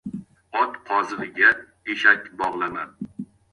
• Ot qozig‘iga eshak bog‘lama.